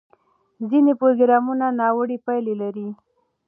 ځینې پروګرامونه ناوړه پایلې لري.